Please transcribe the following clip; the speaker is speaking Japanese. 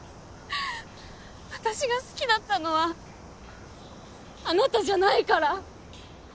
私が好きだったのはあなたじゃないから。